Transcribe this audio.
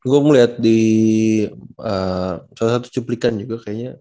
gue mau liat di salah satu cuplikan juga kayaknya